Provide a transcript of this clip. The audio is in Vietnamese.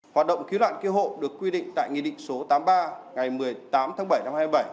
hoạt động cứu nạn cứu hộ được quy định tại nghị định số tám mươi ba ngày một mươi tám tháng bảy năm hai nghìn bảy